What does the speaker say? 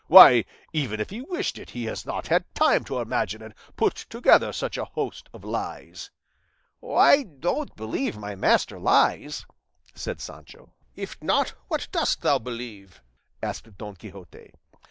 Why, even if he wished it he has not had time to imagine and put together such a host of lies." "I don't believe my master lies," said Sancho. "If not, what dost thou believe?" asked Don Quixote.